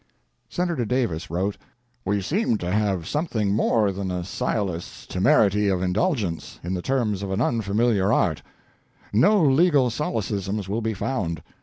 Senator Davis wrote: "We seem to have something more than a sciolist's temerity of indulgence in the terms of an unfamiliar art. No legal solecisms will be found.